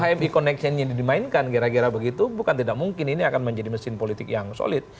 tapi kalau connectionnya dimainkan gara gara begitu bukan tidak mungkin ini akan menjadi mesin politik yang solid